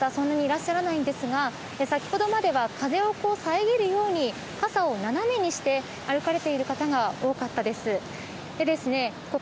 そんなにいらっしゃらないんですが先ほどまでは風をさえぎるように傘を斜めにして歩かれている方が多かったです。